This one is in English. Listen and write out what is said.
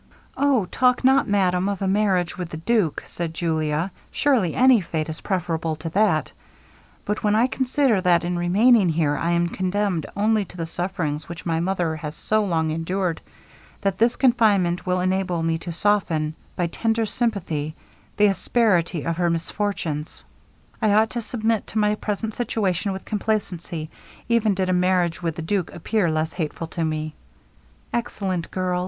'O! talk not, madam, of a marriage with the duke,' said Julia; 'surely any fate is preferable to that. But when I consider that in remaining here, I am condemned only to the sufferings which my mother has so long endured, and that this confinement will enable me to soften, by tender sympathy, the asperity of her misfortunes, I ought to submit to my present situation with complacency, even did a marriage with the duke appear less hateful to me.' 'Excellent girl!'